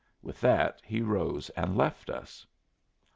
With that he rose and left us.